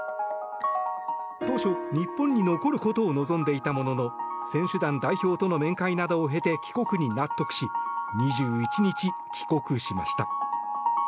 当初、日本に残ることを望んでいたものの選手団代表との面会などを経て帰国に納得し２１日、帰国しました。